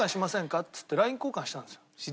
っつってＬＩＮＥ交換したんですよ。